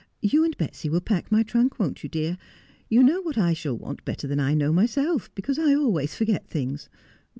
You and Betsy will pack my trunk, won't you, dear 1 You know what I shall want better than I know myself, because I always forget things.